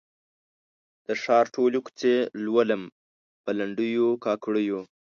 د ښار ټولي کوڅې لولم په لنډېو، کاکړیو